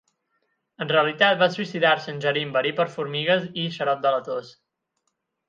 En realitat va suïcidar-se ingerint verí per a formigues i xarop de la tos.